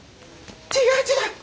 違う違う！